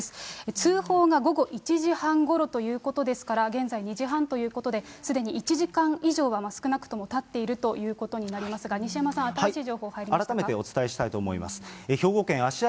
通報が午後１時半ごろということですから、現在２時半ということで、すでに１時間以上は少なくともたっているということになりますが、西山さん、新しい情報入りましたら。